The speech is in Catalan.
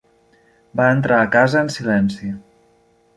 Va entrar a casa en silenci.